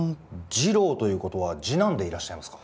二郎ということは次男でいらっしゃいますか？